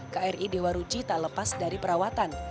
kri dewa ruci tak lepas dari perawatan